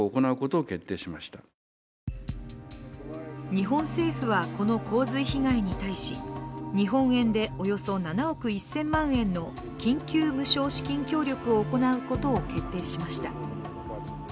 日本政府は、この洪水被害に対し日本円でおよそ７億１０００万円の緊急無償資金協力を行うことを決定しました。